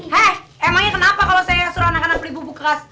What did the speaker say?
heh emangnya kenapa kalau saya suruh anak anak beli buku bekas